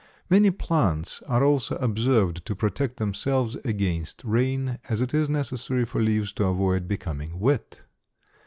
Many plants are also observed to protect themselves against rain, as it is necessary for leaves to avoid becoming wet.